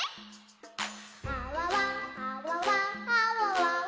「あわわあわわあわわわ」